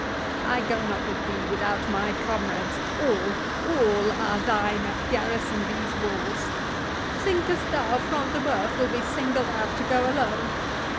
—I go not with thee without my comrades—all, all are thine, that garrison these walls—Thinkest thou Front de Bœuf will be singled out to go alone?